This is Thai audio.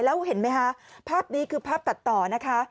แล้วเห็นไหมคะภาพนี้คือภาพตัดต่อนะคะ